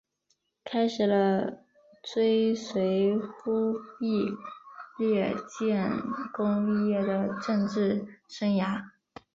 开始了追随忽必烈建功立业的政治生涯。